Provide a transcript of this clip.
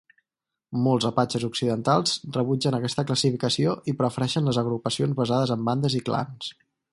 Molts apatxes occidentals rebutgen aquesta classificació i prefereixen les agrupacions basades en bandes i clans.